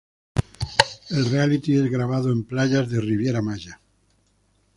El "reality" es grabado en playas de Riviera Maya.